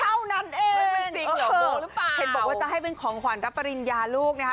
เท่านั้นเองไม่เป็นจริงหรอกม้วหรือเปล่าเห็นบอกว่าจะให้เป็นของขวัญรับปริญญาลูกนะฮะ